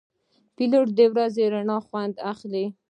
پیلوټ د ورځې رڼا خوند اخلي.